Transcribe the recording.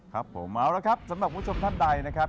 ครับผมเอาละครับสำหรับคุณผู้ชมท่านใดนะครับ